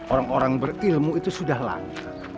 orang orang berilmu itu sudah lama